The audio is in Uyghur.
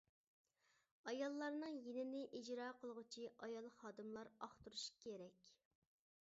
ئاياللارنىڭ يېنىنى ئىجرا قىلغۇچى ئايال خادىملار ئاختۇرۇشى كېرەك.